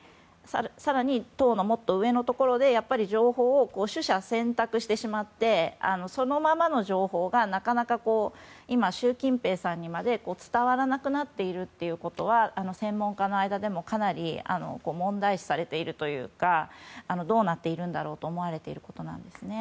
更に、党のもっと上のところで情報を取捨選択してしまってそのままの情報がなかなか今、習近平さんにまで伝わらなくなっているということは専門家の間でもかなり問題視されているというかどうなっているんだろうと思われているんですね。